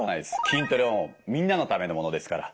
筋トレはみんなのためのものですから。